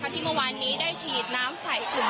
ที่เมื่อวานนี้ได้ฉีดน้ำไสของผู้ชุมลุม